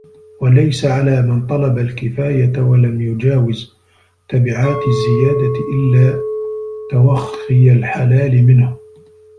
وَلَيْسَ عَلَى مَنْ طَلَبَ الْكِفَايَةَ وَلَمْ يُجَاوِزْ تَبَعَاتِ الزِّيَادَةِ إلَّا تَوَخِّي الْحَلَالَ مِنْهُ